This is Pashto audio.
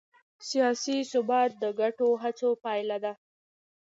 سیاسي ثبات د ګډو هڅو پایله ده